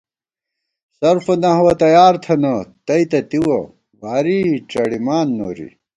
صرف و نحو تیار تھنہ تئ تہ تِوَہ واری ڄَڑِمان نوری